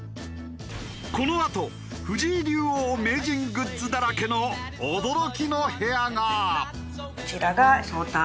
このあと藤井竜王・名人グッズだらけの驚きの部屋が！